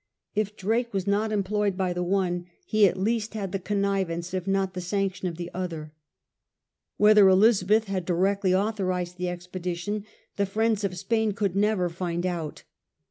If Drake was not employed by the one, he at least had the connivance, if not the sanction, of the other. Whether Elizabeth had directly authorised the expedition, the friends of Spain could never find out.